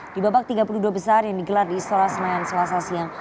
di babak tiga puluh dua besar yang digelar di istora senayan selasa siang